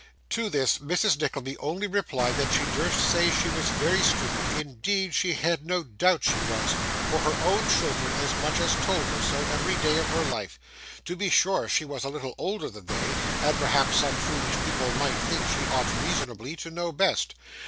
To this, Mrs. Nickleby only replied that she durst say she was very stupid, indeed she had no doubt she was, for her own children almost as much as told her so, every day of her life; to be sure she was a little older than they, and perhaps some foolish people might think she ought reasonably to know best.